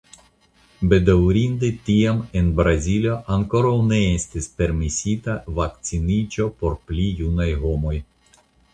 Bedaŭrinde tiam en Brazilo ankoraŭ ne estis permesita vakciniĝo por pli junaj homoj.